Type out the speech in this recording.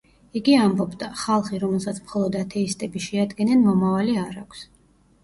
იგი ამბობდა: „ხალხი, რომელსაც მხოლოდ ათეისტები შეადგენენ, მომავალი არა აქვს“.